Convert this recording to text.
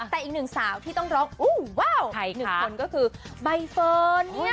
แต่อีกหนึ่งสาวที่ต้องร้องอู้ว้าวอีกหนึ่งคนก็คือใบเฟิร์นเนี่ย